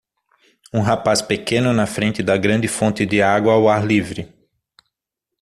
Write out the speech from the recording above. Um rapaz pequeno na frente da grande fonte de água ao ar livre.